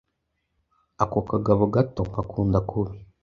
ako gatabo gato nkakunda kubi